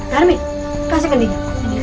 kami kasih gendinya